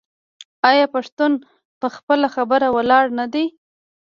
آیا پښتون په خپله خبره ولاړ نه دی؟